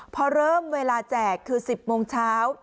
พอเริ่มเวลาแจกคือ๑๐โมงเช้า